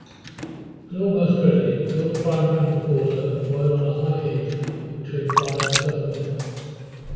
When almost ready, fill the frying pan with water and boil on a high heat for between five and seven minutes.